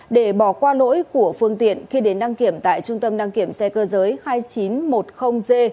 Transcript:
để bỏ qua lỗi của phương tiện khi đến đăng kiểm tại trung tâm đăng kiểm xe cơ giới hai nghìn chín trăm một mươi g